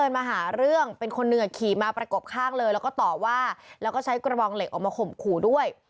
มาหาเรื่องเป็นคนหนึ่งขี่มาประกบข้างเลยแล้วก็ต่อว่าแล้วก็ใช้กระบองเหล็กออกมาข่มขู่ด้วย